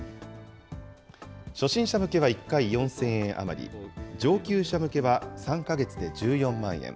初心者向けは１回４０００円余り、上級者向けは３か月で１４万円。